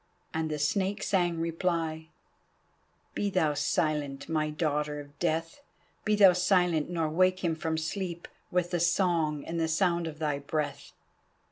And the Snake sang reply: "Be thou silent, my Daughter of Death, be thou silent nor wake him from sleep, With the song and the sound of thy breath."